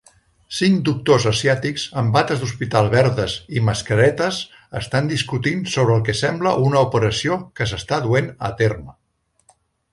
Cinc doctors asiàtics amb bates d'hospital verdes i mascaretes estan discutint sobre el que sembla una operació que s'està duent a terme